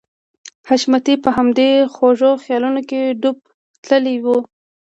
حشمتي په همدې خوږو خيالونو کې ډوب تللی و.